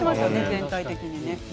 全体的に。